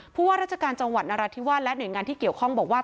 ว่าราชการจังหวัดนราธิวาสและหน่วยงานที่เกี่ยวข้องบอกว่า